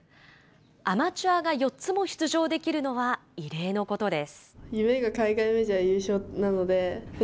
アマチュアが４つも出場できるのは異例のことです。